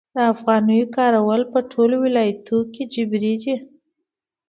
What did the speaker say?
د افغانیو کارول په ټولو ولایتونو کې جبري دي؟